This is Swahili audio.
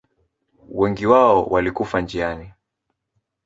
Wengi wao walikufa njiani.